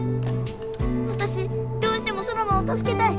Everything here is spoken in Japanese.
わたしどうしてもソノマをたすけたい！